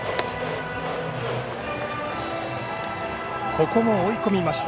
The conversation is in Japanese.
ここも追い込みました。